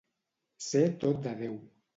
Ser tot de Déu.